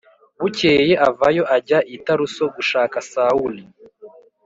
Bukeye avayo ajya i taruso gushaka sawuli